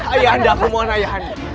ayahanda aku mohon ayahanda